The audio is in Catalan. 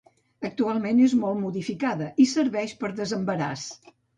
Actualment és molt modificada i serveix de desembaràs.